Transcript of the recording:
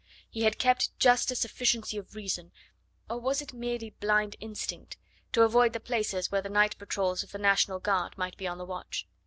He had kept just a sufficiency of reason or was it merely blind instinct? to avoid the places where the night patrols of the National Guard might be on the watch.